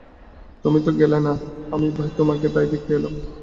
তুমি তো গেলে না, আমি ভাই তোমাকে তাই দেখতে এলাম।